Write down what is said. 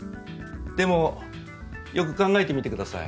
でもよく考えてみてください。